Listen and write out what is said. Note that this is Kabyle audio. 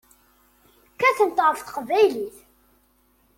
Kkatent ɣef teqbaylit.